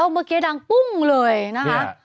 เมื่อกี้ดังปุ้งเลยนะคะ